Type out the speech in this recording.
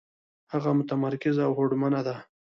هغه متمرکزه او هوډمنه ده.